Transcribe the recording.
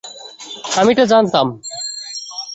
আমি এটা জানতাম।